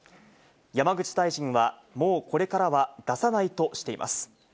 山口大臣は、もうこれからは出さないとしています。